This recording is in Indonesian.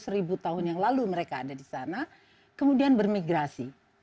dua ratus ribu tahun yang lalu mereka ada di sana kemudian bermigrasi